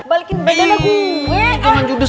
balikin bajanya gue